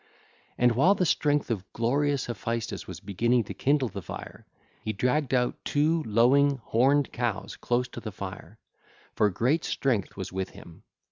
(ll. 115 137) And while the strength of glorious Hephaestus was beginning to kindle the fire, he dragged out two lowing, horned cows close to the fire; for great strength was with him.